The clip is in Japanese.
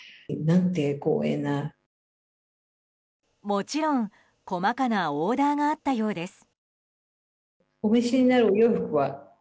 もちろん、細かなオーダーがあったようです。